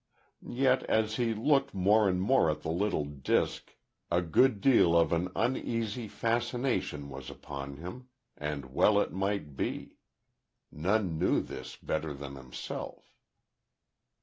Yet as he looked more and more at the little disk a good deal of an uneasy fascination was upon him, and well it might be none knew this better than himself.